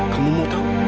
kamu mau tau